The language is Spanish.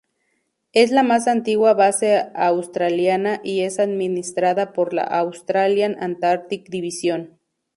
Es la más antigua base australiana y es administrada por la Australian Antarctic Division.